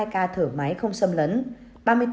ba mươi hai ca thở máy không xâm lấn